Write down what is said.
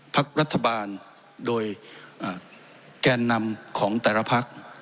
พักรัฐบาลโดยแกนนำของแต่ละพัก